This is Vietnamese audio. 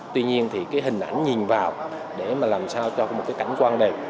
cái hình ảnh nhìn vào để mà làm sao cho một cái cảnh quan đẹp